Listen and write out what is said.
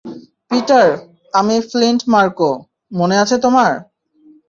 Peter, আমি Flint Marko, মনে আছে তোমার?